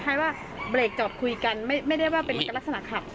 คล้ายว่าเบรกจอดคุยกันไม่ได้ว่าเป็นลักษณะขับ